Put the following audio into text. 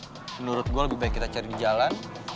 menurut gue lebih baik kita cari di jalan